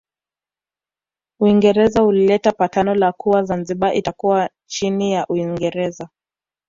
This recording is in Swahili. Uingereza ulileta patano la kuwa Zanzibar itakuwa chini ya Uingereza